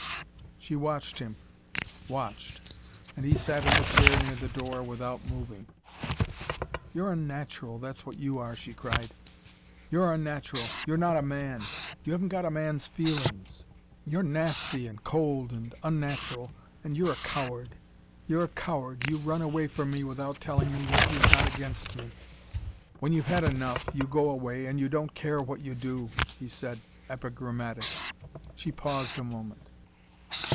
She watched him, watched. And he sat in the chair near the door, without moving. "You're unnatural, that's what you are," she cried. "You're unnatural. You're not a man. You haven't got a man's feelings. You're nasty, and cold, and unnatural. And you're a coward. You're a coward. You run away from me, without telling me what you've got against me." "When you've had enough, you go away and you don't care what you do," he said, epigrammatic. She paused a moment.